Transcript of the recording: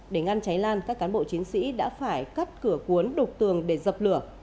để ngăn cháy lan các cán bộ chiến sĩ đã phải cắt cửa cuốn đục tường để dập lửa